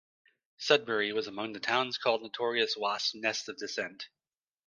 Sudbury was among the town's called notorious wasps' nests of dissent.